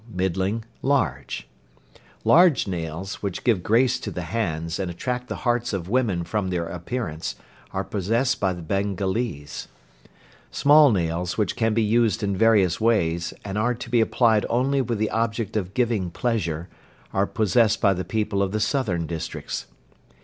Middling. Large. Large nails, which give grace to the hands, and attract the hearts of women from their appearance, are possessed by the Bengalees. Small nails, which can be used in various ways, and are to be applied only with the object of giving pleasure, are possessed by the people of the southern districts.